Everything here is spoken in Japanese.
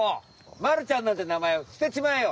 まるちゃんなんてなまえはすてちまえよ！